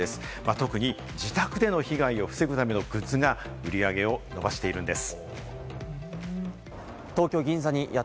特に自宅での被害を防ぐためのグッズが売り上げを伸ばしているんです。